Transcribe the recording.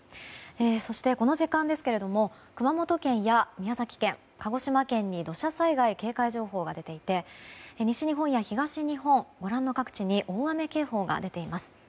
そして、この時間ですけれども熊本県や宮崎県、鹿児島県に土砂災害警戒情報が出ていて西日本や東日本、ご覧の各地に大雨警報が出ています。